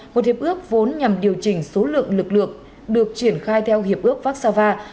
một hiệp ước vốn nhằm điều chỉnh số lượng lực lượng được triển khai theo hiệp ước vác xa va